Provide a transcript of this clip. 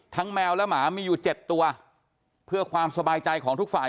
แมวและหมามีอยู่เจ็ดตัวเพื่อความสบายใจของทุกฝ่าย